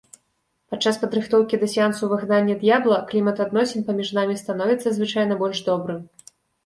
Падчас падрыхтоўкі да сеансу выгнання д'ябла клімат адносін паміж намі становіцца звычайна больш добрым.